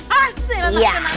enam poem pembatalan